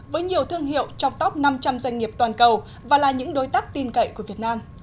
với nhiều thương hiệu trong top năm trăm linh doanh nghiệp toàn cầu và là những đối tác tin cậy của việt nam